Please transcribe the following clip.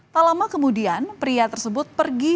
tak lama kemudian pria tersebut pergi